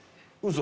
嘘！